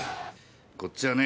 こっちはね